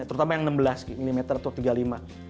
terutama yang enam belas mm atau tiga puluh lima